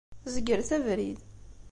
Zegret abrid.